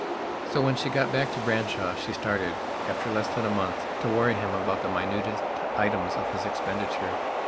So when she got back to Branshaw she started, after less than a month, to worry him about the minutest items of his expenditure.